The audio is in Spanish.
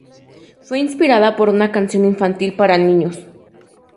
Fue inspirada por una canción infantil para niños.